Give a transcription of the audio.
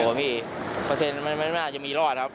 พี่เปอร์เซ็นต์มันไม่น่าจะมีรอดครับ